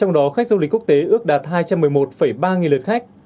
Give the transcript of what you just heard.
trong đó khách du lịch quốc tế ước đạt hai trăm một mươi một ba lượt khách